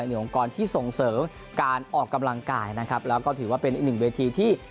หนึ่งองค์กรที่ส่งเสริมการออกกำลังกายนะครับแล้วก็ถือว่าเป็นอีกหนึ่งเวทีที่